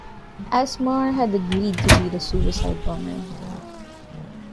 Asmar had agreed to be the suicide bomber.